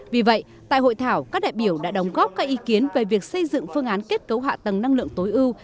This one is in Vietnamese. vì vậy tại hội thảo các đại biểu đã đóng góp các ý kiến về việc xây dựng phương án kết cấu hạ tầng năng lượng tối ưu